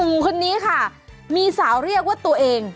หนุ่มคนนี้ค่ะมีสาวเรียกว่าตัวเอง